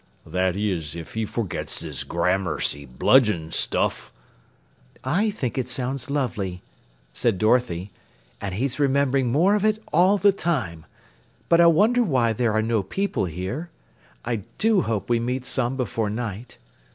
"That is, if he forgets this grammercy, bludgeon stuff." "I think it sounds lovely," said Dorothy, "and he's remembering more of it all the time. But I wonder why there are no people here. I do hope we meet some before night."